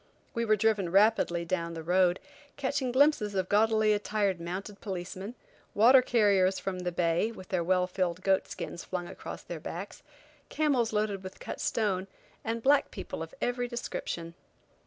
We were driven rapidly down the road, catching glimpses of gaudily attired mounted policemen, water carriers from the bay, with their well filled goat skins flung across their backs, camels loaded with cut stone, and black people of every description.